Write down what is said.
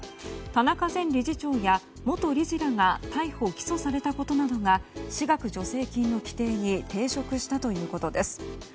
田中前理事長や元理事らが逮捕・起訴されたことなどが私学助成金の規定に抵触したということです。